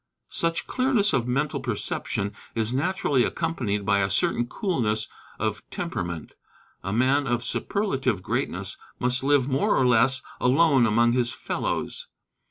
Such clearness of mental perception is naturally accompanied by a certain coolness of temperament. A man of superlative greatness must live more or less alone among his fellows.